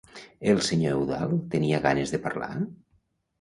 El senyor Eudald tenia ganes de parlar?